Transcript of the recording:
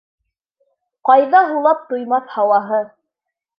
Ҡайҙа һулап туймаҫ һауаһы?